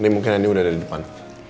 adaya beruntung seharusnya ada di depan